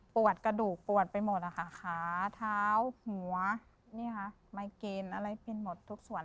กระดูกปวดไปหมดนะคะขาเท้าหัวไมเกณฑ์อะไรเป็นหมดทุกส่วน